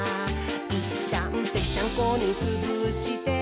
「いったんぺっちゃんこにつぶして」